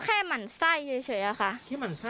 แค่มันไส้ใช่ไหม